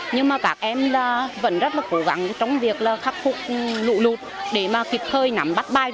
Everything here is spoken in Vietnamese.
nhưng mà các em vẫn rất là cố gắng trong việc khắc phục lụ lụt để mà kịp thời nắm bắt bai vợ